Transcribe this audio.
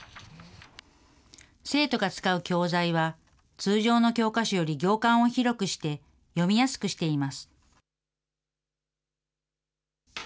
生徒が使う教材は、通常の教科書より行間を広くして、読みやすくしています。